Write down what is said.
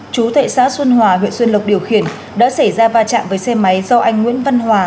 chú thệ xã xuân hòa huyện xuân lộc điều khiển đã xảy ra va chạm với xe máy do anh nguyễn văn hòa